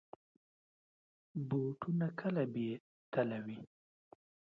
بوټونه کله بې تله وي.